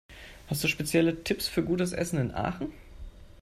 Hast du spezielle Tipps für gutes Essen in Aachen?